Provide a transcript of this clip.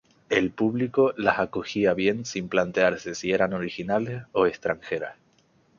El público las acogía bien sin plantearse si eran originales o extranjeras.